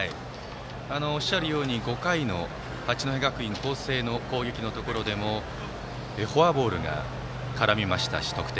おっしゃるように５回の八戸学院光星の攻撃のところでもフォアボールが得点には絡みました。